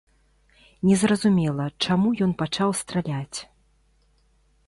Незразумела, чаму ён пачаў страляць.